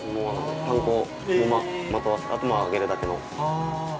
パン粉まとわせたあと揚げるだけの。